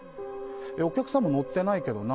お客さんも乗ってないけどな。